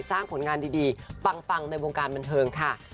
สร้างผลงานดีปังในวงการบันเทิงค่ะ